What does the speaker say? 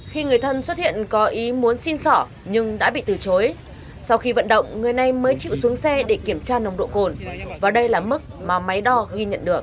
khi người thân xuất hiện có ý muốn xin sỏ nhưng đã bị từ chối sau khi vận động người này mới chịu xuống xe để kiểm tra nồng độ cồn và đây là mức mà máy đo ghi nhận được